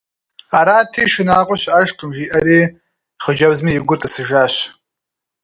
Арати, шынагъуэ щыӏэжкъым жиӏэри, хъыджэбзми и гур тӏысыжащ.